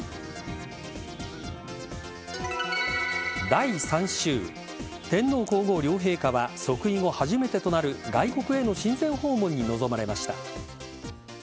第３週天皇皇后両陛下は即位後初めてとなる外国への親善訪問に臨まれました。